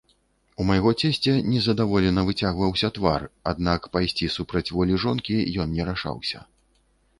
У майго цесця незадаволена выцягваўся твар, аднак пайсці супраць волі жонкі ён не рашаўся.